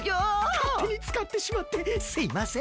かってにつかってしまってすいません。